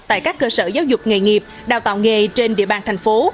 tại các cơ sở giáo dục nghề nghiệp đào tạo nghề trên địa bàn thành phố